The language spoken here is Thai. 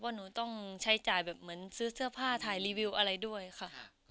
หนูต้องใช้จ่ายแบบเหมือนซื้อเสื้อผ้าถ่ายรีวิวอะไรด้วยค่ะ